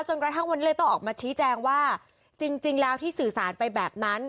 กระทั่งวันนี้เลยต้องออกมาชี้แจงว่าจริงแล้วที่สื่อสารไปแบบนั้น